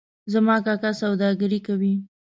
زما کاکا سوداګري کوي